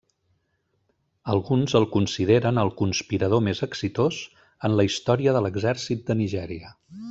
Alguns el consideren el conspirador més exitós en la història de l'exèrcit de Nigèria.